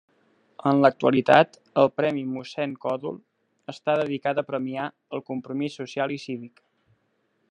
En l'actualitat el premi Mossèn Còdol, està dedicat a premiar el compromís social i cívic.